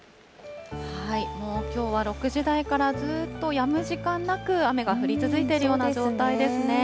もう、きょうは６時台からずっとやむ時間なく雨が降り続いているような状態ですね。